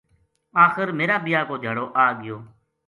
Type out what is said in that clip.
آخر میرا بیاہ کو دھیاڑو آ گیو